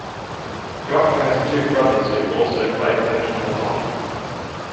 Goc has two brothers who also play professional hockey.